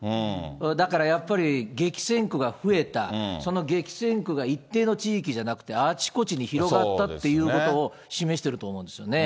だからやっぱり、激戦区が増えた、その激戦区が一定の地域じゃなくて、あちこちに広がったっていうことを示してると思うんですよね。